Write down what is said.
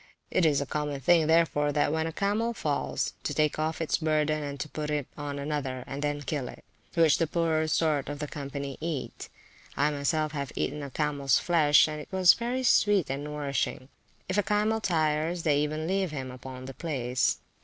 It is a common thing, therefore, when a camel once falls, to take off its burden and put it on another, and then kill it; which the poorer sort of the company eat. I myself have eaten of camels flesh, and it is very sweet and nourishing. If a camel tires, they even leave him upon the place.